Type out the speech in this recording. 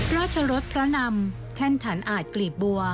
ราชรศพระนำแท่นถันอาจกลีบบัว